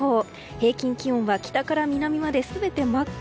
平均気温は北から南まで全て真っ赤。